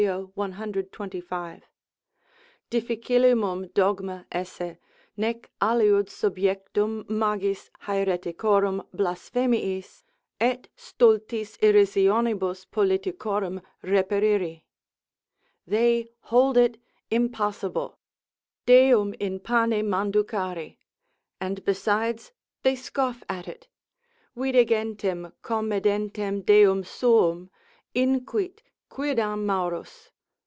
125, difficillimum dogma esse, nec aliud subjectum magis haereticorum blasphemiis, et stultis irrisionibus politicorum reperiri. They hold it impossible, Deum in pane manducari; and besides they scoff at it, vide gentem comedentem Deum suum, inquit quidam Maurus.